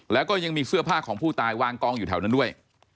แล้วก็ยังมีเสื้อผ้าของผู้ตายวางกองอยู่แถวนั้นด้วย